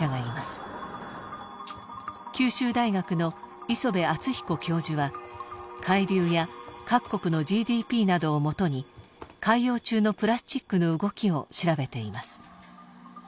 九州大学の磯辺篤彦教授は海流や各国のＧＤＰなどをもとに海洋中のプラスチックの動きを調べています。